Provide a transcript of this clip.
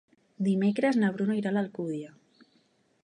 Dimecres na Bruna irà a l'Alcúdia.